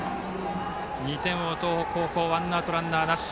２点を追う東北高校ワンアウトランナーなし。